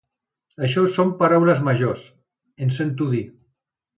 Això són paraules majors —em sento dir.